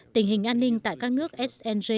tình hình an ninh tại các nước sng